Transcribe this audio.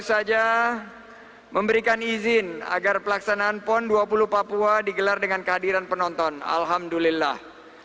dan pemerintah sangat mendorong kontribusi ekonomi digital